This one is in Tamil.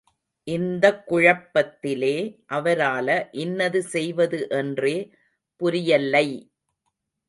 இந்தக் குழப்பத்திலே அவரால இன்னது செய்வது என்றே புரியல்லை.